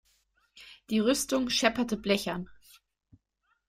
Die Rüstung schepperte blechern.